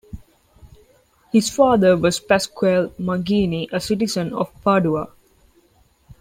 His father was Pasquale Magini, a citizen of Padua.